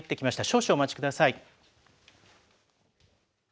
少々お待ちください。